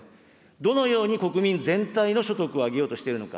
どのように国民全体の所得を上げようとしているのか。